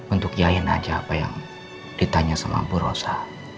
untuk yain aja apa yang ditanya sama bu rosa